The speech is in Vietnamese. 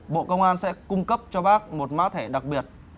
bộ công an sẽ cung cấp cho bác một mã thẻ đặc biệt